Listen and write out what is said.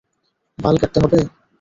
বাল কাটতে হবে?